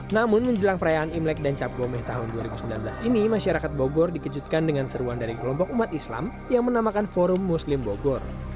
namun menjelang perayaan imlek dan cap gomeh tahun dua ribu sembilan belas ini masyarakat bogor dikejutkan dengan seruan dari kelompok umat islam yang menamakan forum muslim bogor